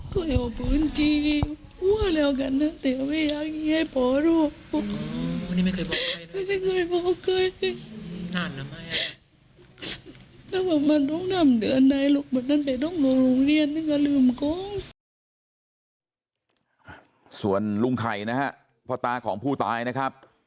ส่วนลุงไข่นะฮะพ่อตาของผู้ตายนะครับ